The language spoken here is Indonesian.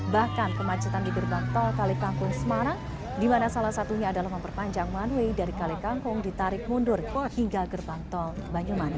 bahkan kemacetan di gerbang tol kalikangkung semarang dimana salah satunya adalah memperpanjang one way dari kalikangkung ditarik mundur hingga gerbang tol banyumani